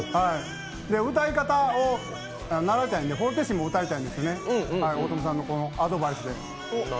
歌い方を習いたいので、「ｆｆ」を歌いたいんですけども、大友さんのアドバイスで。